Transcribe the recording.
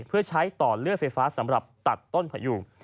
เพื่อใช้ต่อเลือดไฟฟ้าสำหรับตัดต้นพยุง